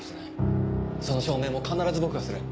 その証明も必ず僕がする。